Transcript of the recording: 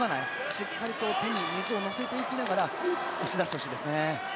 しっかりと手に水を乗せていきながら押し出してほしいですね。